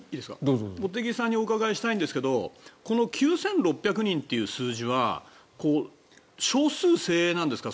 茂木さんにお伺いしたいんですが９６００人という数字は少数精鋭なんですか？